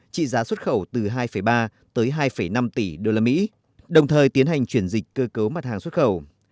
trị giá xuất khẩu từ hai ba tới hai năm tỷ usd đồng thời tiến hành chuyển dịch cơ cấu mặt hàng xuất khẩu